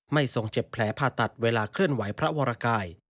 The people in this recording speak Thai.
ทรงเจ็บแผลผ่าตัดเวลาเคลื่อนไหวพระวรกาย